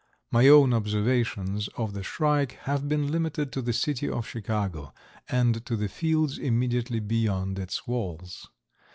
My own observations of the shrike have been limited to the city of Chicago and to the fields immediately beyond its walls.